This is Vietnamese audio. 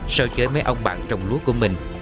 so với mấy ông bạn trồng lúa của mình